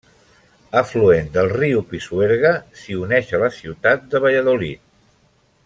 Afluent del riu Pisuerga, s'hi uneix a la ciutat de Valladolid.